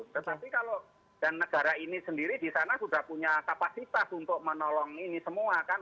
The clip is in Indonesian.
tetapi kalau dan negara ini sendiri di sana sudah punya kapasitas untuk menolong ini semua kan